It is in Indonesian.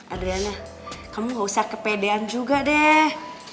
adriana kamu gak usah kepedean juga deh